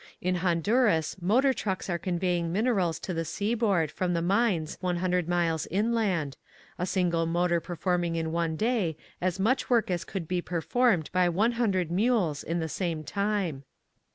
In Honduras motor trucks are convey ing minerals to the seaboard from the mines 100 miles inland, a single motor performing in one day as much work as could be performed by 100 mules in the same time.